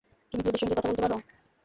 তুমি কি ওদের সঙ্গে কথা বলতে পার?